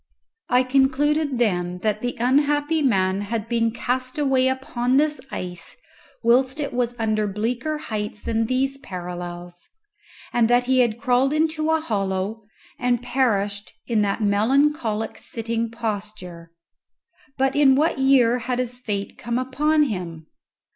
I concluded then that the unhappy man had been cast away upon this ice whilst it was under bleaker heights than these parallels, and that he had crawled into a hollow, and perished in that melancholic sitting posture. But in what year had his fate come upon him?